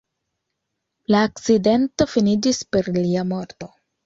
La akcidento finiĝis per lia morto.